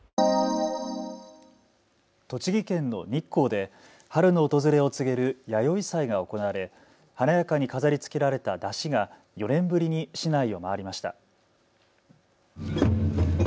栃木県の日光で春の訪れを告げる弥生祭が行われ華やかに飾りつけられた山車が４年ぶりに市内を回りました。